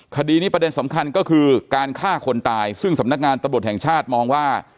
คดีนี้ประเด็นสำคัญก็คือการฆ่าคนตายซึ่งสำนักงานตำรวจแห่งชาติมองว่า